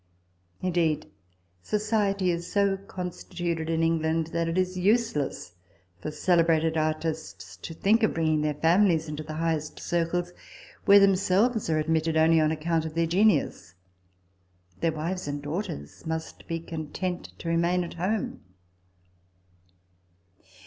Indeed, society is so constituted in England, that it is useless for celebrated artists to think of bringing their families into the highest circles, where themselves are admitted only on account of their genius. Their wives and daughters must be content to remain at home.